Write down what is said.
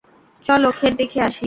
চল ক্ষেত দেখে আসি?